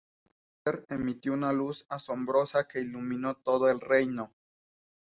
Al nacer, emitió una luz asombrosa que iluminó todo el reino.